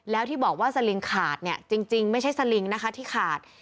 แล้วที่บอกว่าสลิงขาดจริงไม่ใช่สลิงที่ขาด